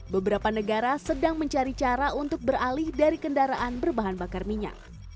beberapa negara sedang mencari cara untuk beralih dari kendaraan berbahan bakar minyak